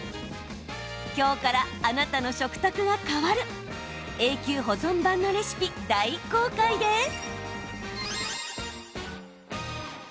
今日から、あなたの食卓が変わる永久保存版のレシピ大公開です。